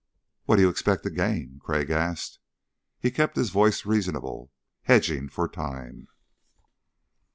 "What do you expect to gain?" Crag asked. He kept his voice reasonable, hedging for time.